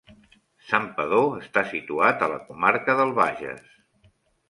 Santpedor està situat a la comarca del Bages.